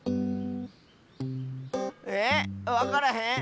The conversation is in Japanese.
えっわからへん？